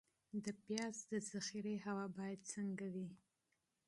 د پیاز د ذخیرې هوا باید څنګه وي؟